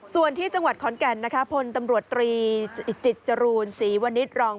ส่วนที่จังหวัดขอนแก่นนะคะพลตำรวจตรีจิตจรูลศรีวนิษฐ์รอง